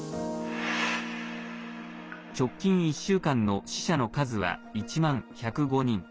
直近１週間の死者の数は１万１０５人。